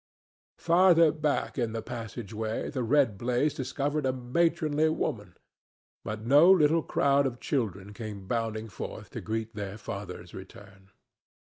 Farther back in the passageway the red blaze discovered a matronly woman, but no little crowd of children came bounding forth to greet their father's return.